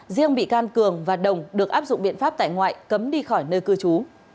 riêng bị can cường và đồng được áp dụng biện pháp tại ngoại cấm đi khỏi nơi cư trú